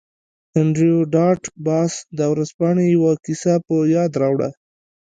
انډریو ډاټ باس د ورځپاڼې یوه کیسه په یاد راوړه